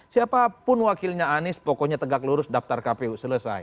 siapapun wakilnya anies pokoknya tegak lurus daftar kpu selesai